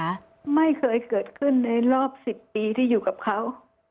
ไม่เคยเกิดขึ้นในรอบ๑๐ปีที่อยู่กับเขา